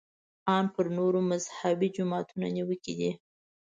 ان پر نورو مذهبي جماعتونو نیوکې دي.